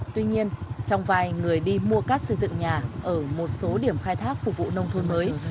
tuy nhiên trong vài người đi mua cát xây dựng nhà ở một số điểm khai thác phục vụ nông thôn mới